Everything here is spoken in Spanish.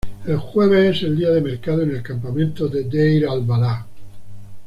El jueves es el día de mercado en el campamento de Deir al-Balah.